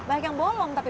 bahkan bolong tapi pak